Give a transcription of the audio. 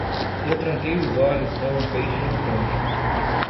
Eu tranquei os olhos com um peixe no tanque.